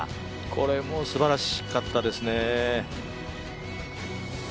これもすばらしかったですね。